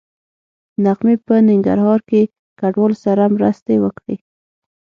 نغمې په ننګرهار کې کډوالو سره مرستې وکړې